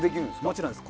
もちろんです。